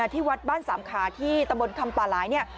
ที่วัดบ้านสามขาที่ตำบลคำปาลาย